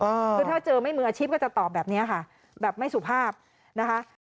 คือถ้าเจอไม่มืออาชีพก็จะตอบแบบนี้ค่ะแบบไม่สุภาพนะคะ